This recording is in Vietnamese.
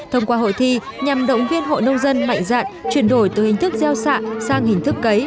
thông qua hội thi nhằm động viên hội nông dân mạnh dạn chuyển đổi từ hình thức gieo xạ sang hình thức cấy